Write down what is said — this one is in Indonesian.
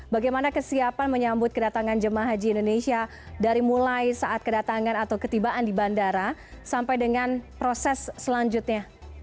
bagaimana kesiapan menyambut kedatangan jemaah haji indonesia dari mulai saat kedatangan atau ketibaan di bandara sampai dengan proses selanjutnya